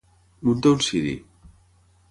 Muntar un ciri.